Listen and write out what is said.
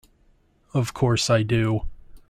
Of course I do!